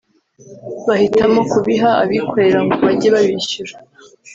bahitamo kubiha abikorera ngo bajye babishyura